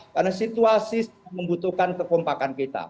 karena situasi membutuhkan kepompakan kita